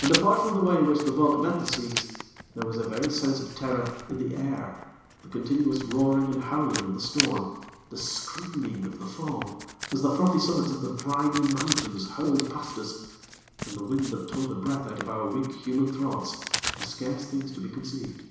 And, apart from the way in which the boat met the seas, there was a very sense of terror in the air; the continuous roaring and howling of the storm; the screaming of the foam, as the frothy summits of the briny mountains hurled past us, and the wind that tore the breath out of our weak human throats, are things scarce to be conceived.